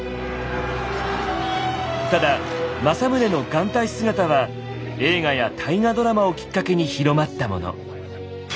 ただ政宗の眼帯姿は映画や大河ドラマをきっかけに広まったもの。